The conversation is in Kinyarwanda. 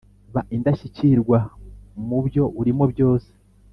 ba indashyikirwa mubyo urimo byose!